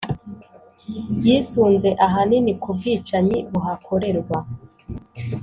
yisunze ahanini ku bwicanyi buhakorerwa